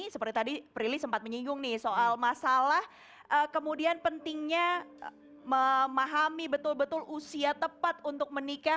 seperti tadi prilly sempat menyinggung nih soal masalah kemudian pentingnya memahami betul betul usia tepat untuk menikah